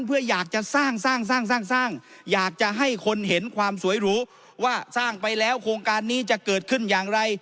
เพื่ออยากจะสร้างสร้างสร้างอยากจะให้คนเห็นความสวยหรูว่าสร้างไปแล้วโครงการนี้จะเกิดขึ้นอย่างไร